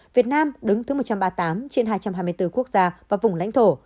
việt nam đứng thứ một trăm ba mươi tám trên hai trăm hai mươi bốn quốc gia và vùng lãnh thổ